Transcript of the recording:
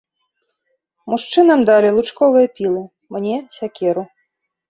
Мужчынам далі лучковыя пілы, мне сякеру.